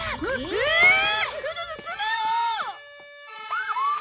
えっ？